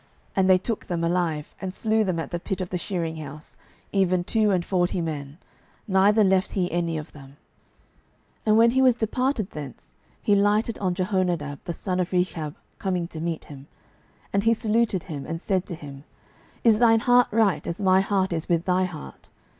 And they took them alive, and slew them at the pit of the shearing house, even two and forty men; neither left he any of them. 12:010:015 And when he was departed thence, he lighted on Jehonadab the son of Rechab coming to meet him: and he saluted him, and said to him, Is thine heart right, as my heart is with thy heart?